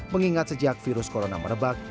mengingat sejak virus corona merebak